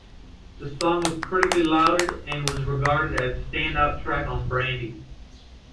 The song was critically lauded, and was regarded as a standout track on "Brandy".